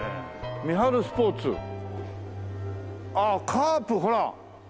「ミハルスポーツ」ああカープほら！